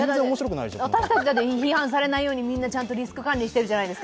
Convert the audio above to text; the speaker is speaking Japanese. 私たちだって批判されないようにちゃんとリスク回避してるじゃないですか。